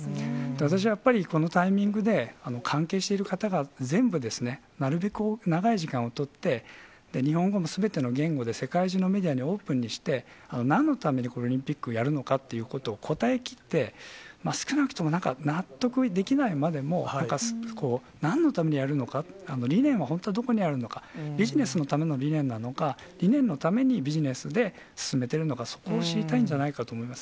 私はやっぱり、このタイミングで、関係している方が全部、なるべく長い時間を取って、日本語も、すべての言語で、世界中のメディアにオープンにして、なんのためにこれ、オリンピックをやるのかっていうことを答えきって、少なくとも、なんか納得できないまでも、なんか、なんのためにやるのか、理念は本当にどこにあるのか、ビジネスのための理念なのか、理念のためにビジネスで進めているのか、そこを知りたいんじゃないかと思います。